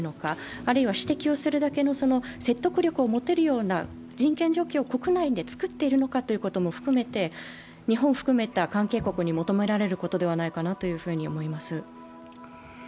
あるいは指摘をするだけの説得力を持てるような人権状況を国内で作っているのかも含めて日本を含めた関係国に求められることではないかと思います。